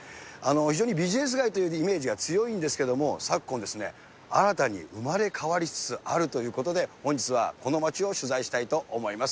非常にビジネス街というイメージが強いんですけれども、昨今、新たに生まれ変わりつつあるということで、本日はこの街を取材したいと思います。